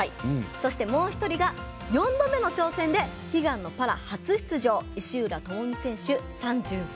そして、もう１人が４度目の挑戦で悲願のパラ初出場石浦智美選手、３３歳です。